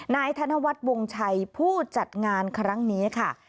นายธนวัฒน์วงชัยผู้จัดงานครั้งนี้ค่ะ